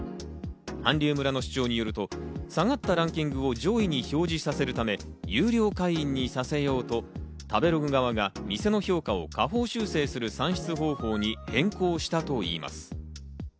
韓流村の主張によると、下がったランキングを上位に表示させるため、有料会員にさせようと食べログ側が店の評価を下方修正する算出方法に変更したといいます。